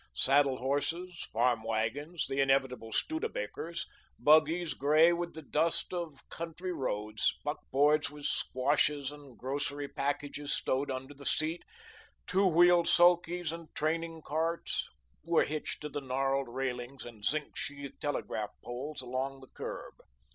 Saddle horses, farm wagons the inevitable Studebakers buggies grey with the dust of country roads, buckboards with squashes and grocery packages stowed under the seat, two wheeled sulkies and training carts, were hitched to the gnawed railings and zinc sheathed telegraph poles along the curb.